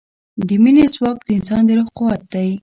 د مینې ځواک د انسان د روح قوت دی.